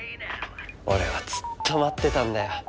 俺はずっと待ってたんだよ